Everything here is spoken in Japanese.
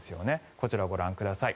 こちら、ご覧ください。